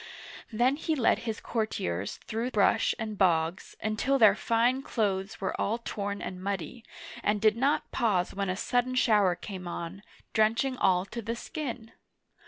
Then he led his courtiers through brush and bogs until their fine clothes were all torn and muddy, and did not pause when a sudden shower came on, drenching all to the skin.